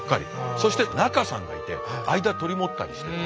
そして中さんがいて間取り持ったりして。